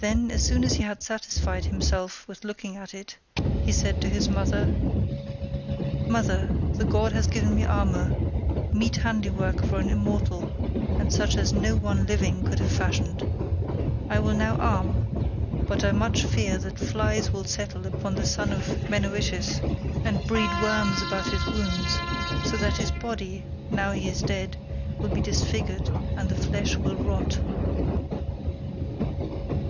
Then, as soon as he had satisfied himself with looking at it, he said to his mother, "Mother, the god has given me armour, meet handiwork for an immortal and such as no one living could have fashioned; I will now arm, but I much fear that flies will settle upon the son of Menoetius and breed worms about his wounds, so that his body, now he is dead, will be disfigured and the flesh will rot."